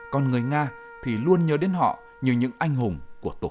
còn người nga thì luôn nhớ đến họ như những anh hùng của tổ quốc